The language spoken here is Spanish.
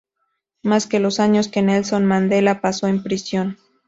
Más que los años que Nelson Mandela pasó en prisión.